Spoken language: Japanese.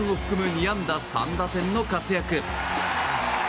２安打３打点の活躍。